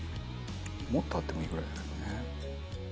もっとあってもいいぐらいだけどね。